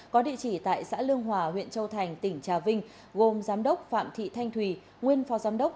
có địa chỉ tại xã lương hòa huyện châu thành tỉnh trà vinh gồm giám đốc phạm thị thanh thùy nguyên phó giám đốc